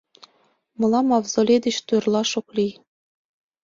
— Мылам мавзолей деч торлаш ок лий...